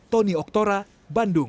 tony oktora bandung